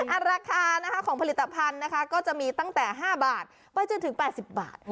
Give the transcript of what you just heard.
ราคาของผลิตภัณฑ์นะคะก็จะมีตั้งแต่๕บาทไปจนถึง๘๐บาท